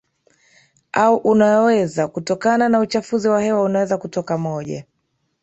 au unaweza kutokana naUchafuzi wa hewa unaweza kutoka moja